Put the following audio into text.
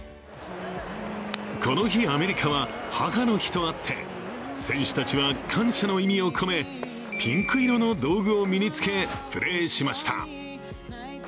この日、アメリカは母の日とあって選手たちは感謝の意味を込めピンク色の道具を身に着け、プレーしました。